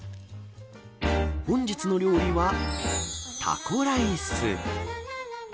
本日の料理はタコライス。